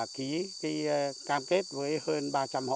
ký cái cam kết với hơn ba trăm linh họ